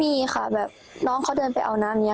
มีค่ะแบบน้องเขาเดินไปเอาน้ำนี้